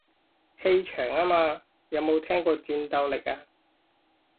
氣場吖嘛，有冇聽過戰鬥力啊